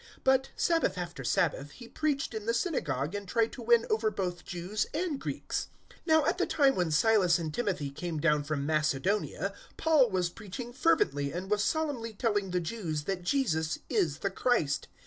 018:004 But, Sabbath after Sabbath, he preached in the synagogue and tried to win over both Jews and Greeks. 018:005 Now at the time when Silas and Timothy came down from Macedonia, Paul was preaching fervently and was solemnly telling the Jews that Jesus is the Christ.